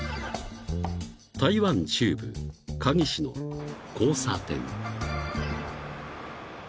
［台湾中部嘉義市の交差点］